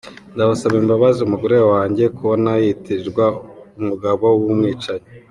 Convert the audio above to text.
Ndasaba imbabazi umugore wanjye kubona yitirirwa umugabo w’umwicanyi.